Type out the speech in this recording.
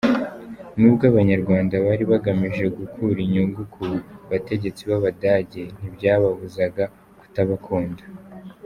Nubwo Abanyarwanda bari bagamije gukura inyungu ku bategetsi b’Abadage ntibyababuzaga kutabakunda.